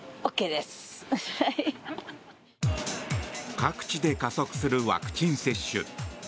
各地で加速するワクチン接種。